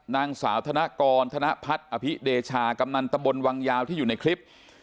นางสาวธนกรธนพัฒน์อภิเดชากำนันตะบนวังยาวที่อยู่ในคลิป